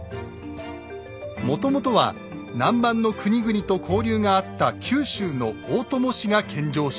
もともとは南蛮の国々と交流があった九州の大友氏が献上したもの。